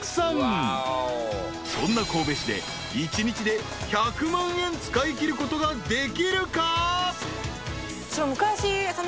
［そんな神戸市で１日で１００万円使いきることができるか？］